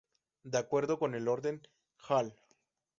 De acuerdo con el orden n Hall.